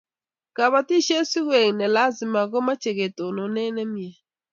kabotishe sikoek ne lazimakomeche katononee nemie